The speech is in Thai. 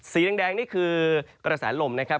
สีแดงนี่คือกระแสลมนะครับ